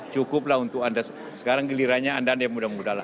cukuplah untuk anda sekarang gelirannya anda yang mudah mudalah